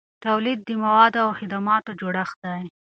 تولید د موادو او خدماتو جوړښت دی.